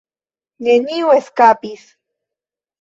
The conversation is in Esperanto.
Neniu eskapis.